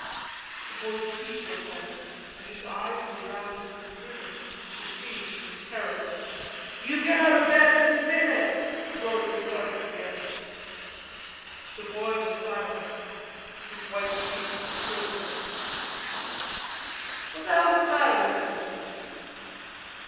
The boy's teeth were clenched, and his eyes were round and protruding, it seemed from terror. "You get out o' bed this minute," roared the sergeant again. The boy; was silent; his white cheeks quivered. "What the hell's the matter with him?"